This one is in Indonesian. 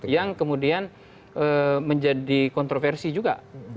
yang kemudian menjadi kontroversi juga